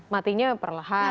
matinya perlahan gitu